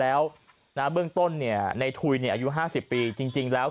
แล้วน้าเบื้องต้นเนี่ยในถุยเนี่ยอายุห้าสิบปีจริงจริงแล้ว